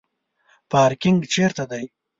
پارکینګ چیرته دی؟